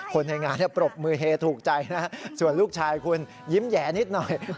คนในงานปรบมือเฮถูกใจนะส่วนลูกชายคุณยิ้มแหย่นิดหน่อย